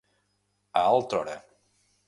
A altra hora.